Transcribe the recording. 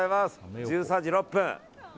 １３時６分。